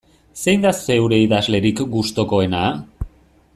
Zein da zeure idazlerik gustukoena?